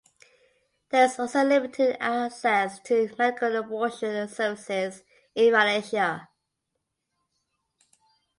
There is also limited access to medical abortion services in Malaysia.